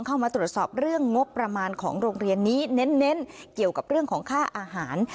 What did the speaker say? เข้ามาตรวจสอบเรื่องงบประมาณของโรงเรียนนี้เน้นเกี่ยวกับเรื่องของค่าอาหาร